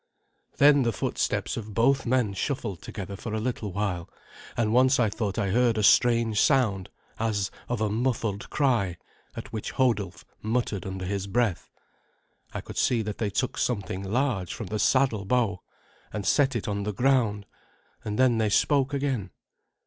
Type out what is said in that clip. Then the footsteps of both men shuffled together for a little while, and once I thought I heard a strange sound as of a muffled cry, at which Hodulf muttered under his breath. I could see that they took something large from the saddle bow, and set it on the ground, and then they spoke again.